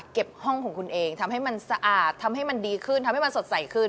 ห้องของคุณเองทำให้มันสะอาดทำให้มันดีขึ้นทำให้มันสดใสขึ้น